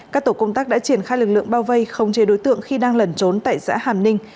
các tổ công tác đã triển khai lực lượng bao vây không chế đối tượng khi đang lẩn trốn tại xã hàm ninh